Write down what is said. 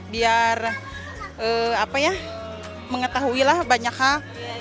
biar mengetahuilah banyak hal